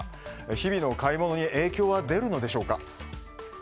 日々の買い物に影響は出るのでしょうか。